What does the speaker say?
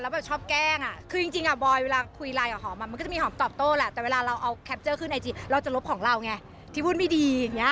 ผู้ที่จะลบของเราที่พูดไม่ดี